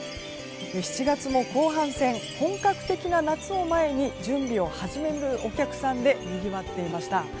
７月も後半戦本格的な夏を前に準備を始めるお客さんでにぎわっていました。